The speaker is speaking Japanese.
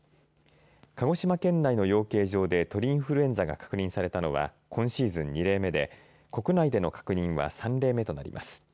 鹿児島県内の養鶏場で鳥インフルエンザが確認されたのは今シーズン２例目で、国内での確認は３例目となります。